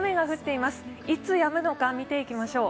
いつやむのか見ていきましょう。